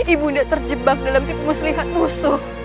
ibu bunda terjebak dalam timus lihat musuh